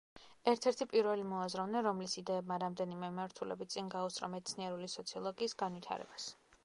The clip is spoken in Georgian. ერთ-ერთი პირველი მოაზროვნე, რომლის იდეებმა, რამდენიმე მიმართულებით, წინ გაუსწრო მეცნიერული სოციოლოგიის განვითარებას.